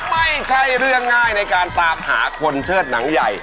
ไม่ใช่เรื่องง่ายในการตามหาคนเชิดหนังใหญ่